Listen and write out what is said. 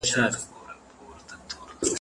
که استاد د املا په وخت کي خپل غږ.